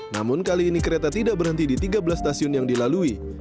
namun kali ini kereta tidak berhenti di tiga belas stasiun yang dilalui